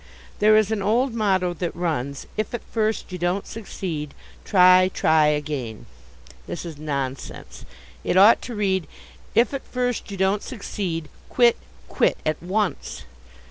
There is an old motto that runs, "If at first you don't succeed, try, try again." This is nonsense. It ought to read, "If at first you don't succeed, quit, quit, at once."